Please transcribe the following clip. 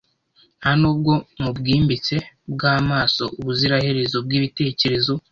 ntanubwo mubwimbitse bwamaso ubuziraherezo bwibitekerezo